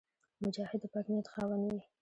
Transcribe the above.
مجاهد د پاک نیت خاوند وي.